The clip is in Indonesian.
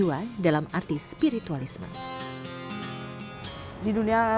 sebuah biennale ini adalah satu tahun yang paling penting kita ingin diberikan keuntungan